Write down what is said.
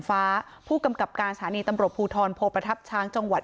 ฟ้าผู้กำกับการสถานีตำรวจภูทรโพประทับช้างจังหวัด